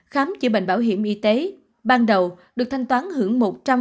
khám chữa bệnh bảo hiểm y tế ban đầu được thanh toán hưởng một trăm linh